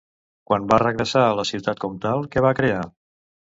Quan va regressar a la Ciutat Comtal, què va crear?